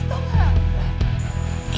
tolong jauh tolong jauh